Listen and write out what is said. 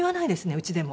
うちでも。